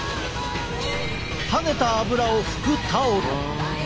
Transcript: はねた油をふくタオル。